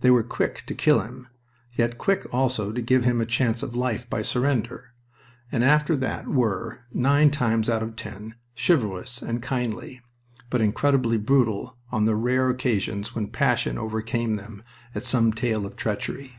They were quick to kill him, yet quick also to give him a chance of life by surrender, and after that were nine times out of ten chivalrous and kindly, but incredibly brutal on the rare occasions when passion overcame them at some tale of treachery.